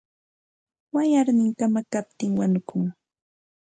Wayarnin kamakaptin wanukun.